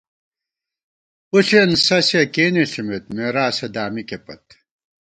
پُݪېن سسِیَہ کېنے ݪِمېت ، مېراثہ دامِکے پت